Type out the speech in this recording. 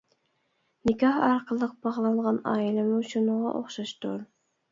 نىكاھ ئارقىلىق باغلانغان ئائىلىمۇ شۇنىڭغا ئوخشاشتۇر.